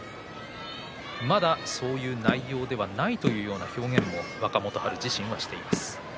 まだそういう内容ではないというような表現を若元春自身はしています。